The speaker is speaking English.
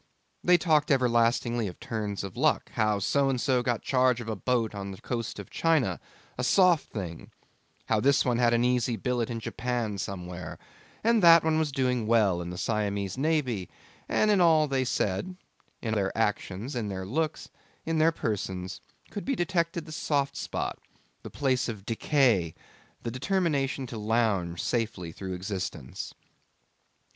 They talked everlastingly of turns of luck: how So and so got charge of a boat on the coast of China a soft thing; how this one had an easy billet in Japan somewhere, and that one was doing well in the Siamese navy; and in all they said in their actions, in their looks, in their persons could be detected the soft spot, the place of decay, the determination to lounge safely through existence.